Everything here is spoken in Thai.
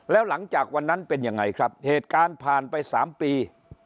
แล้วหลังจากวันนั้นเป็นยังไงครับเหตุการณ์ผ่านไป๓ปี